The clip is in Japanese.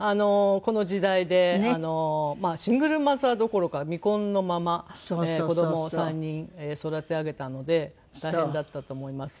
この時代でシングルマザーどころか未婚のまま子供を３人育て上げたので大変だったと思います。